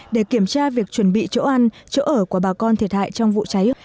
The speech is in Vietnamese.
để kiểm tra việc chuẩn bị chỗ ăn chỗ ở của bà con thiệt hại trong vụ cháy